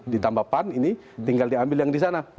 ditambah pan ini tinggal diambil yang di sana